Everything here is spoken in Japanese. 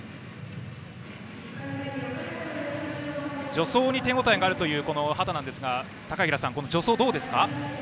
助走に手応えがあるという秦なんですが高平さん、助走はどうですか？